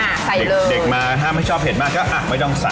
เด็กมาห้ามให้ชอบเผ็ดมาก